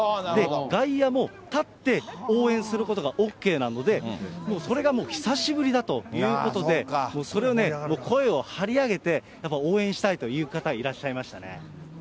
外野も立って応援することがＯＫなので、もうそれが久しぶりだということで、もうそれをね、声を張り上げて、やっぱり応援したいという方、いらっしゃいましたね。